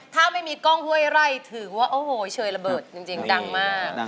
ถ้าไม่มีกล้องห้วยไร่ถือว่าโอ้โหเชยระเบิดจริงดังมาก